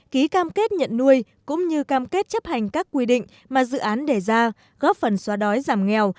ký cam kết nhận nuôi cũng như cam kết chấp hành các quy định mà dự án đề ra góp phần xóa đói giảm nghèo